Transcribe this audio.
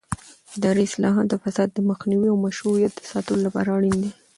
اداري اصلاحات د فساد د مخنیوي او مشروعیت د ساتلو لپاره اړین دي